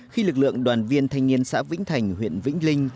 khi lực lượng đoàn viên thanh niên xã vĩnh thành huyện vĩnh linh